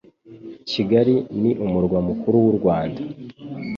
Kigali ni umurwa mukuru w'urwanda